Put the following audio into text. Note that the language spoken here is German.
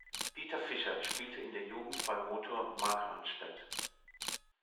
Dieter Fischer spielte in der Jugend bei Motor Markranstädt.